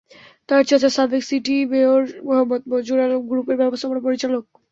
তাঁর চাচা সাবেক সিটি মেয়র মোহাম্মদ মনজুর আলম গ্রুপের ব্যবস্থাপনা পরিচালক।